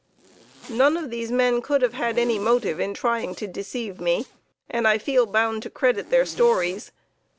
None of these men could have had any motive in trying to deceive me, and I feel bound to credit their stories.